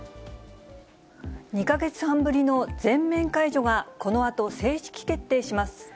２か月半ぶりの全面解除がこのあと正式決定します。